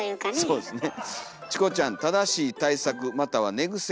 そうですね。